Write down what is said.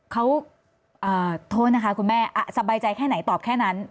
เขาโทษนะคะคุณแม่สบายใจแค่ไหนตอบแค่นั้น